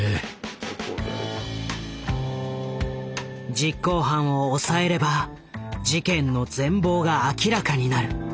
実行犯を押さえれば事件の全貌が明らかになる。